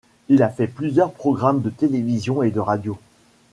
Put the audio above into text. Il a fait plusieurs programmes de télévision et de radio.